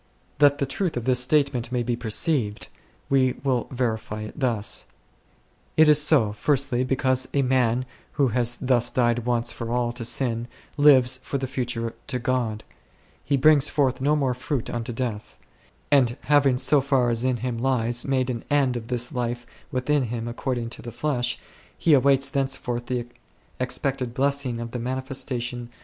That the truth of this statement may be perceived, we will verify it thus. It is so, first, because a man who has thus died once for all to sin lives for the future to God ; he brings forth no more fruit unto death ; and having so far as in him lies made an end 6 of this life within him according to the flesh, he awaits thenceforth the expected blessing of the manifestation